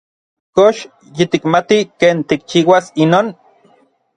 ¿Kox yitikmati ken tikchiuas inon?